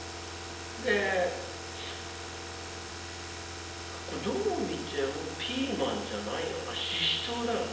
でこれどう見てもピーマンじゃないよなししとうだよな。